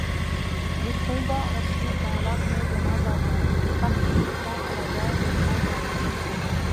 Il combat ensuite dans l'armée de Mazarin, participant à la guerre de Trente Ans.